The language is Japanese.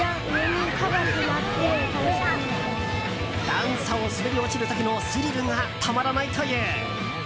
段差を滑り落ちる時のスリルがたまらないという。